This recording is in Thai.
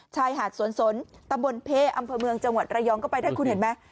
ชายหาดสวนสนตำบลเพอำเภอเมืองจังหวัดระยองก็ไปได้คุณเห็นไหม